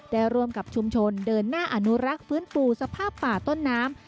ร่วมกับชุมชนเดินหน้าอนุรักษ์ฟื้นฟูสภาพป่าต้นน้ำ